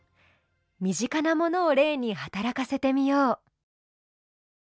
身近なものを例に働かせてみよう。